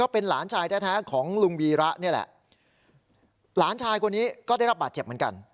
เป็นหลานชายแท้ของลุงวีระนี่แหละหลานชายคนนี้ก็ได้รับบาดเจ็บเหมือนกัน